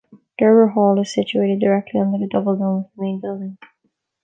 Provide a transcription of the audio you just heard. "Durbar Hall" is situated directly under the double-dome of the main building.